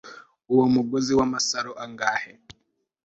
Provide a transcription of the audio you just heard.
Uwo mugozi wamasaro angahe